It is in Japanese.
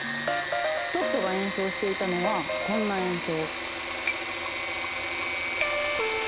トットが演奏していたのはこんな演奏。